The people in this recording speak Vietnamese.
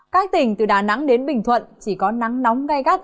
các tỉnh từ đà nẵng đến bình thuận chỉ có nắng nóng gai gắt